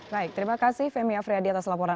baik terima kasih femi afriyadi atas laporan